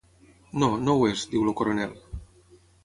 No, no ho és, diu el coronel.